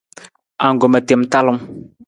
Anggoma tem talung.